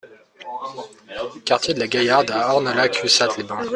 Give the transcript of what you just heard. Quartier de la Gaillarde à Ornolac-Ussat-les-Bains